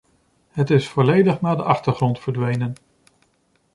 Het is volledig naar de achtergrond verdwenen.